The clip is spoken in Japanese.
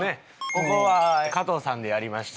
ここは加藤さんでやりました。